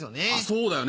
そうだよね。